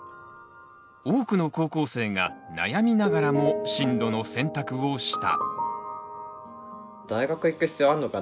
多くの高校生が悩みながらも進路の選択をした。